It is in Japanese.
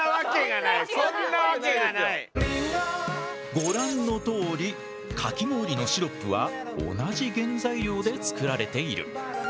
ご覧のとおりかき氷のシロップは同じ原材料で作られている。